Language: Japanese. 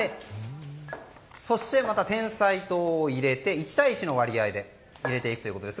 そして、またてんさい糖を入れて１対１の割合で入れていくということです。